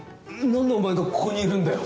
何でお前がここにいるんだよ。